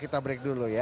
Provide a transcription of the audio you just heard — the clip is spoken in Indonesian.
kita break dulu ya